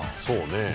そうね。